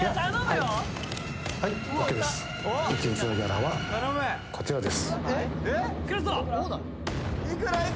いやこちらです